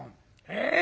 ええ？